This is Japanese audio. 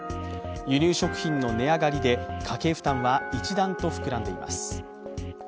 輸入食品の値上がりで、家計負担は一段と膨らんでいます。